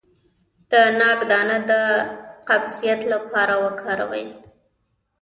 د ناک دانه د قبضیت لپاره وکاروئ